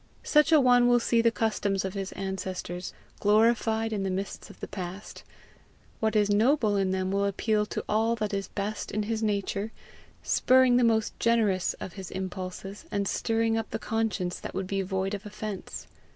Such a one will see the customs of his ancestors glorified in the mists of the past; what is noble in them will appeal to all that is best in his nature, spurring the most generous of his impulses, and stirring up the conscience that would be void of offence.